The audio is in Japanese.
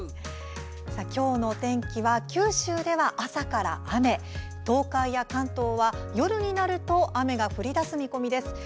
きょうの天気は九州では朝から雨東海や関東は夜になると雨が降りだす見込みです。